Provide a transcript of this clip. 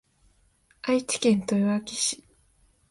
愛知県豊明市